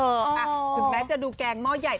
ถึงแม้จะดูแกงหม้อใหญ่